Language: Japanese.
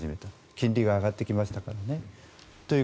金利が上がってきましたからね。